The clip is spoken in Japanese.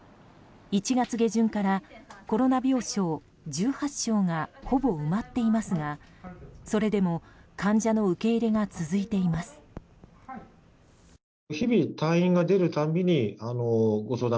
１月下旬からコロナ病床１８床がほぼ埋まっていますがそれでも患者の受け入れが続いています。